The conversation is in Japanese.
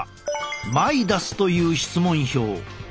マイダスという質問票。